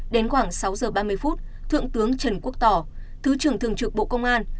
đến khoảng sáu giờ ba mươi phút thượng tướng trần quốc tỏ thứ trưởng thường trực bộ công an